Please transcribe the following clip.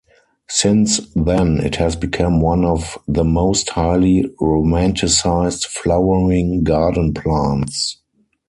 Since then, it has become one of the most highly romanticized flowering garden plants.